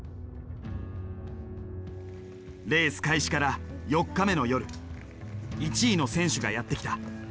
レース開始から４日目の夜１位の選手がやって来た。